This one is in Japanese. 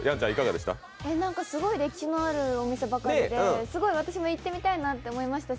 すごい歴史のあるお店ばかりで私も行ってみたいなと思いました